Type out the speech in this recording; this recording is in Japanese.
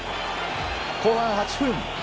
後半８分。